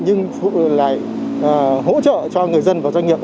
nhưng là hỗ trợ cho người dân và doanh nghiệp